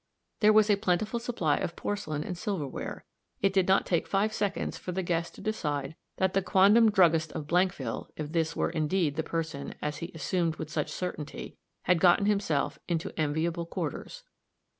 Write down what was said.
There was a plentiful supply of porcelain and silver ware; it did not take five seconds for the guest to decide that the quondam druggist of Blankville if this were indeed the person, as he assumed with such certainty had gotten himself into enviable quarters.